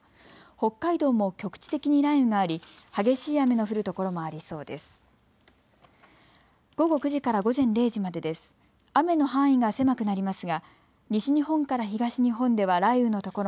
北海道も局地的に雷雨があり激しい雨の降る所もありそうです。